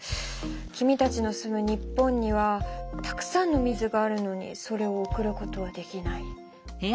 君たちの住む日本にはたくさんの水があるのにそれを送ることはできない。